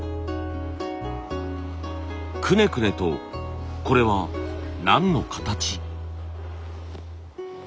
くねくねとこれは何の形？